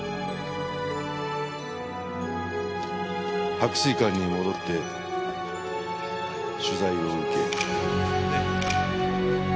白水館に戻って取材を受け。